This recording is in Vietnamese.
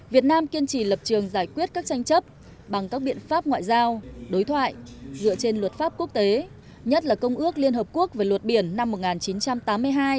việt nam kiên trì lập trường giải quyết các tranh chấp bằng các biện pháp ngoại giao đối thoại dựa trên luật pháp quốc tế nhất là công ước liên hợp quốc về luật biển năm một nghìn chín trăm tám mươi hai